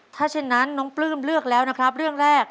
ถ้าเช่นนั้นน้องปลื้มเลือกแล้วนะครับเรื่องแรก